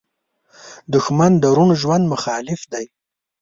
دښمن د روڼ ژوند مخالف دی